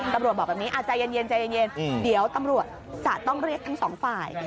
ตำรวจบอกแบบนี้ใจเย็นเดี๋ยวตำรวจจะต้องเรียกทั้ง๒ฝ่าย